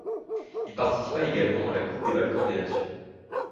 Il participa également à la Coupe des Balkans des nations.